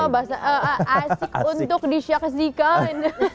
oh bahasa asik untuk disyaksikan